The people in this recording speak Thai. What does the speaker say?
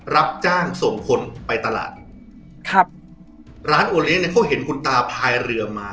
รับจ้างส่งคนไปตลาดครับร้านโอเลี้ยงเนี่ยเขาเห็นคุณตาพายเรือมา